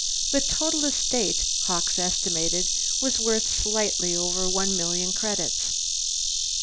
The total estate, Hawkes estimated, was worth slightly over one million credits.